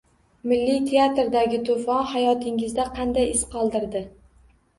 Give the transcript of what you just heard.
Milliy teatrdagi to‘fon hayotingizda qanday iz qoldirdi?